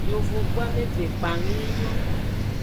Yovogbu ameve kpang yi nyon.